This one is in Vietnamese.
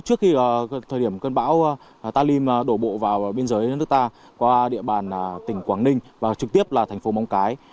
trước khi thời điểm cơn bão talim đổ bộ vào biên giới nước ta qua địa bàn tỉnh quảng ninh và trực tiếp là thành phố móng cái